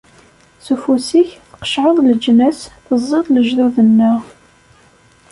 S ufus-ik, tqeccɛeḍ leǧnas, teẓẓiḍ lejdud-nneɣ.